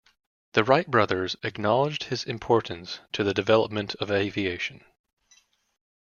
The Wright brothers acknowledged his importance to the development of aviation.